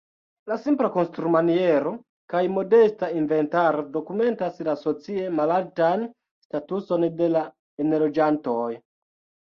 La simpla konstrumaniero kaj modesta inventaro dokumentas la socie malaltan statuson de la enloĝantoj.